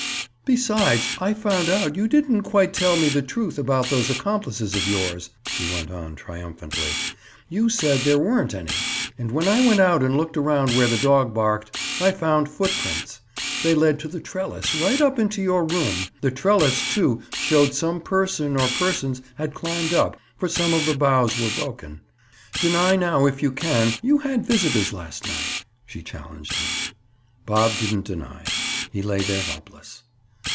"Besides, I found out you didn't quite tell me the truth about those accomplices of yours," she went on triumphantly. "You said there weren't any, and when I went out and looked around where the dog barked, I found footprints. They led to the trellis, right up into your room. The trellis, too, showed some person, or persons, had climbed up, for some of the boughs were broken. Deny now, if you can, you had visitors last night," she challenged him. Bob didn't deny; he lay there helpless.